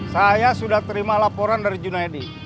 saya sudah terima laporan dari junaidi